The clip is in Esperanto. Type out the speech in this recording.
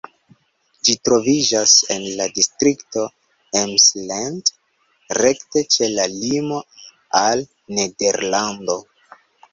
Ĝi troviĝas en la distrikto Emsland, rekte ĉe la limo al Nederlando.